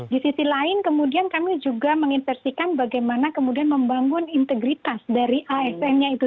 di sisi lain kemudian kami juga mengintersikan bagaimana kemudian membangun integritas dari asn nya itu